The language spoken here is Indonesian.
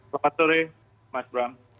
selamat sore mas bram